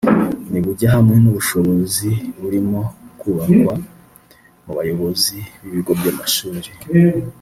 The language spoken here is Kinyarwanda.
nibujya hamwe n’ubushobozi burimo kubakwa mu bayobozi b’ibigo by’amashuri